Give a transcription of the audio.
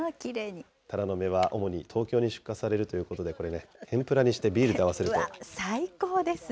タラの芽は主に東京に出荷されるということで、これね、最高ですね。